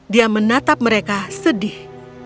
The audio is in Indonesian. dia menatap mereka sedih